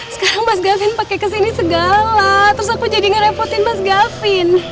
sekarang mas gavin pakai kesini segala terus aku jadi ngerepotin mas gavin